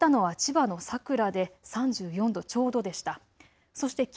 きょういちばん上がったのは千葉の佐倉で３４度ちょうどでした。